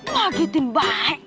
pak gede baik